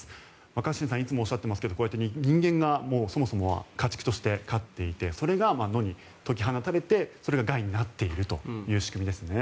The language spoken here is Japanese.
若新さんいつもおっしゃっていますけどこうやって人間がそもそもは家畜として飼っていてそれが野に解き放たれてそれが害になっているという仕組みですね。